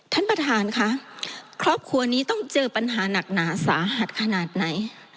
ท่านประธานค่ะครอบครัวนี้ต้องเจอปัญหาหนักหนาสาหัสขนาดไหน